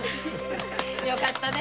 よかったね。